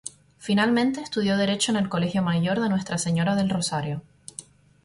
Finalmente estudió derecho en el Colegio Mayor de Nuestra Señora del Rosario.